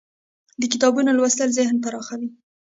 د کتابونو لوستل ذهن پراخوي.